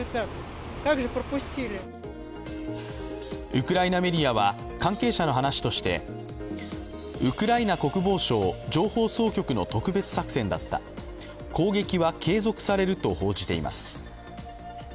ウクライナメディアは関係者の話としてウクライナ国防省情報総局の特別作戦だった、攻撃は継続されると報じています。